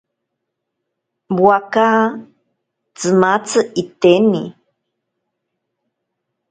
Waaka tsimatzi itene.